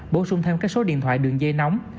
bổ sung thêm các số điện thoại đường dây nóng